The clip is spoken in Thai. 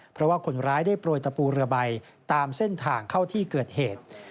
เพราะว่าคนร้ายได้โปรยตะปูเรือใบตามเส้นทางเข้าที่เกิดเหตุ